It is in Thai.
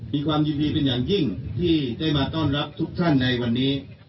มีความยินดีเป็นอย่างยิ่งที่ได้มาต้อนรับทุกท่านในวันนี้